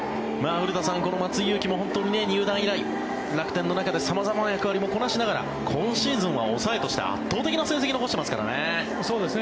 古田さん、松井裕樹も本当に入団以来楽天の中で様々な役割もこなしながら今シーズンは抑えとして成績を残してますからね。